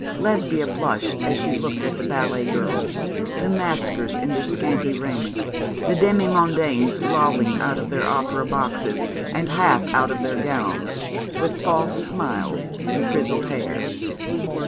Lesbia blushed as she looked at the ballet girls, the maskers in their scanty raiment, the demi mondaines lolling out of their opera boxes, and half out of their gowns, with false smiles and frizzled hair.